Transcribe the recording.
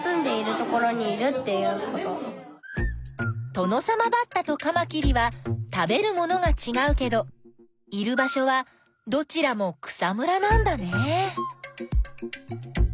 トノサマバッタとカマキリは食べるものがちがうけどいる場所はどちらも草むらなんだね。